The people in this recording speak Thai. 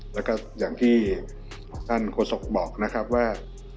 และก็อย่างที่ท่านโฆษกบอกว่า